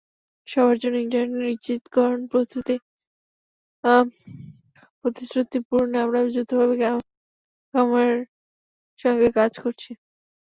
সবার জন্য ইন্টারনেট নিশ্চিতকরণ প্রতিশ্রুতি পূরণে আমরা যৌথভাবে কমোয়োর সঙ্গে কাজ করছি।